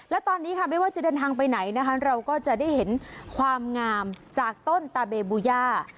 และตอนนี้ค่ะไม่ว่าจะเดินทางไปไหนนะคะเราก็จะได้เห็นความงามจากต้นตาเบบูย่า